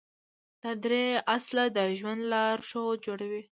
دا درې اصله د ژوند لارښود جوړوي.